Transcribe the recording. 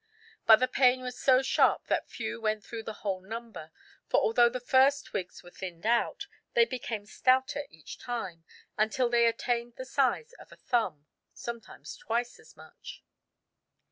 But the pain was so sharp that few went through the whole number; for although the first twigs were thinned out, they became stouter each time, until they attained the size of a thumb, sometimes twice as much."